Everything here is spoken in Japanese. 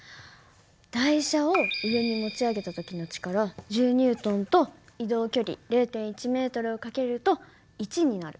台車を上に持ち上げた時の力１０Ｎと移動距離０．１ｍを掛けると１になる。